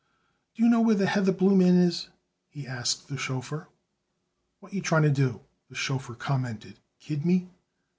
"Do you know where the Heatherbloom Inn is?" he asked the chauffeur. "What you tryin' to do?" the chauffeur commented. "Kid me?"